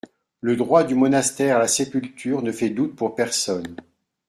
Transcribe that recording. Le droit du monastère à la sépulture ne fait doute pour personne.